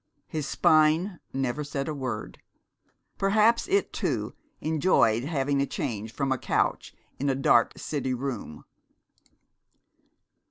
His spine never said a word. Perhaps it, too, enjoyed having a change from a couch in a dark city room.